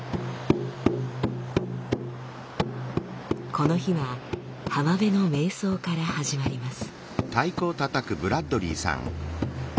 この日は浜辺の瞑想から始まります。